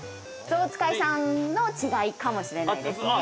◆象使いさんの違いかもしれないですね。